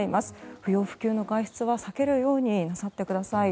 不要不急の外出は避けるようになさってください。